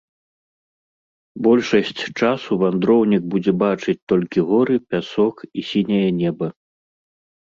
Большасць часу вандроўнік будзе бачыць толькі горы, пясок і сіняе неба.